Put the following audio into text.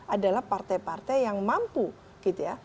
adalah partai partai yang mampu gitu ya